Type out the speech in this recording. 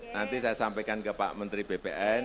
nanti saya sampaikan ke pak menteri bpn